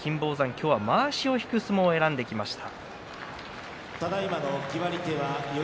今日はまわしを引く相撲を取りました。